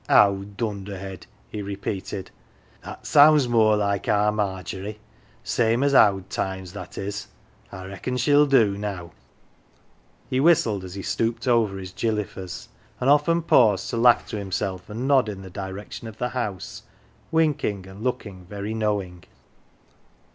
" Owd dunderhead !" he repeated. " That sounds more like our Margery ! Same as owd times, that is. I reckon shell do now." He whistled as he stooped over his gilly f 'ers, and often paused to laugh to himself and nod in the direc tion of the house, winking and looking very knowing.